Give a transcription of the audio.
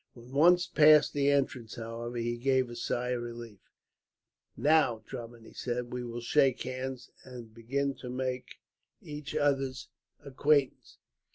When once past the entrance, however, he gave a sigh of relief. "Now, Drummond," he said, "we will shake hands, and begin to make each other's acquaintance.